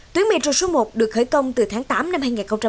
tuyến metro số một được khởi công từ tháng tám năm hai nghìn một mươi hai